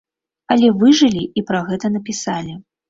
Але выжылі і пра гэта напісалі.